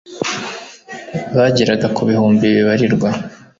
bageraga ku bihumbi bibarirwa